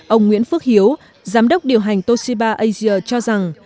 ông nguyễn phước hiếu giám đốc điều hành toshiba asia cho rằng